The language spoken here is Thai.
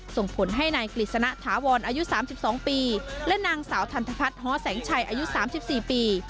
ส่งผลให้นายกฤษณะถาวรอายุสามสิบสองปีและนางสาวทันทพัดฮอแสงชัยอายุสามสิบสี่ปี